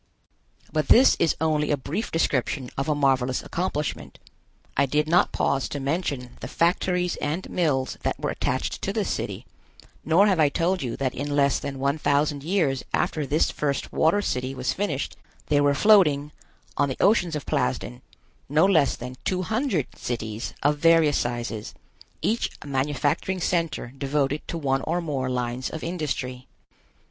But this is only a brief description of a marvelous accomplishment. I did not pause to mention the factories and mills that were attached to this city, nor have I told you that in less than one thousand years after this first water city was finished, there were floating, on the oceans of Plasden, no less than two hundred cities of various sizes, each a manufacturing center devoted to one or more lines of industry.